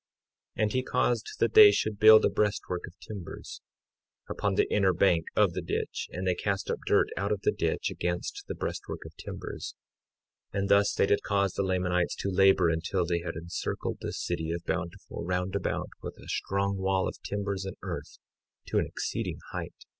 53:4 And he caused that they should build a breastwork of timbers upon the inner bank of the ditch; and they cast up dirt out of the ditch against the breastwork of timbers; and thus they did cause the Lamanites to labor until they had encircled the city of Bountiful round about with a strong wall of timbers and earth, to an exceeding height.